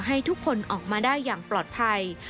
ให้ทุกคนออกมาได้อย่างปลอดภัย